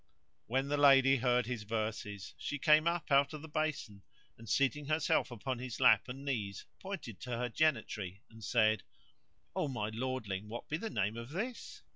When the lady heard his verses she came up out of the basin and, seating herself upon his lap and knees, pointed to her genitory and said, "O my lordling, what be the name of this?"